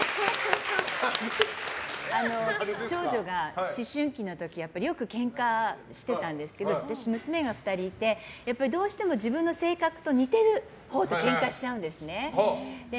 長女が思春期の時よくケンカしてたんですけど娘が２人いてどうしても自分の性格と似てるほうとケンカしちゃうんですね。